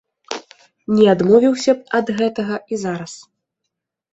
Не адмовіўся б ад гэтага і зараз.